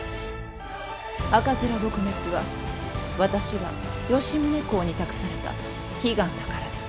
赤面撲滅は私が吉宗公に託された悲願だからです。